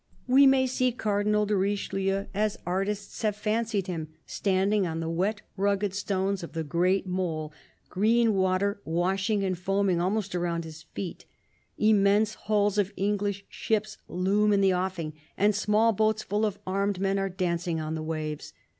We may see Cardinal de Richelieu as artists have THE CARDINAL 191 fancied him, standing on the wet rugged stones of the great mole, green water washing and foaming almost round his feet. Immense hulls of English ships loom in the offing, and small boats full of armed men are dancing on the waves.